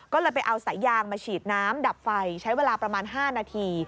ก็เลยไปเอาสายยางมาฉีดน้ำดับไฟใช้เวลาประมาณ๕นาที